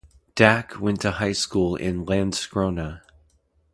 Dacke went to high school in Landskrona.